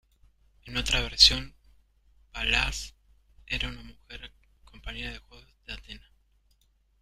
En otra versión, Palas era mujer, la compañera de juegos de Atenea.